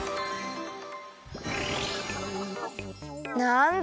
なんだ。